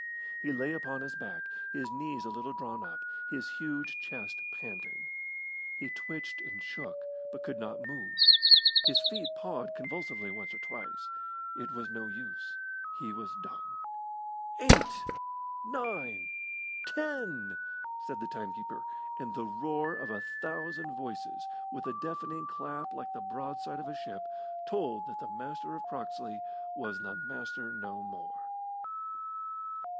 He lay upon his back, his knees a little drawn up, his huge chest panting. He twitched and shook, but could not move. His feet pawed convulsively once or twice. It was no use. He was done. "Eight nine ten!" said the time keeper, and the roar of a thousand voices, with a deafening clap like the broad side of a ship, told that the Master of Croxley was the Master no more.